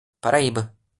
Paraíba